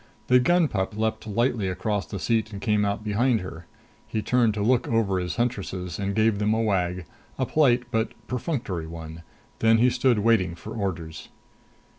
The gun pup leaped lightly across the seat and came out behind her. He turned to look over his huntresses and gave them a wag, a polite but perfunctory one. Then he stood waiting for orders.